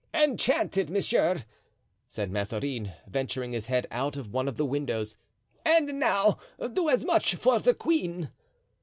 "Enchanted, monsieur," said Mazarin, venturing his head out of one of the windows; "and now do as much for the queen."